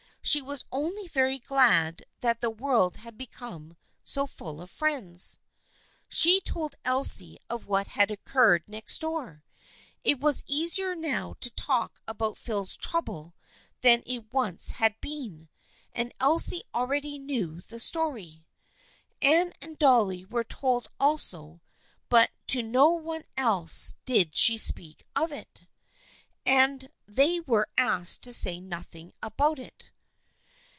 She was only very glad that the world had become so full of friends. She told Elsie of what had occurred next door. It was easier now to talk about Phil's trouble than it once had been, and Elsie already knew the story. Anne and Dolly were told also but to no one else did she speak of it, and they were asked to say nothing about it.